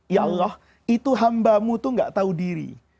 ya allah itu hambamu itu gak tahu diri